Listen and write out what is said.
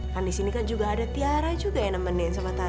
kan di sini kan juga ada tiara juga yang nemenin sama tari